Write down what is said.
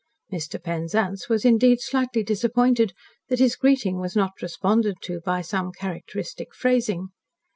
Mr. Penzance was indeed slightly disappointed that his greeting was not responded to by some characteristic phrasing.